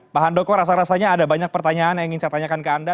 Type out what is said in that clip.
pak handoko rasa rasanya ada banyak pertanyaan yang ingin saya tanyakan ke anda